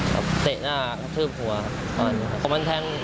ครับเตะหน้าก็จะทืบหัวครับวันนี้